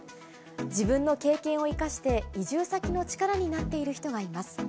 自分の経験を生かして移住先の力になっている人がいます。